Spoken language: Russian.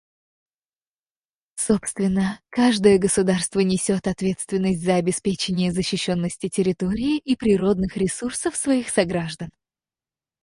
Собственно, каждое государство несет ответственность за обеспечение защищенности территории и природных ресурсов своих сограждан.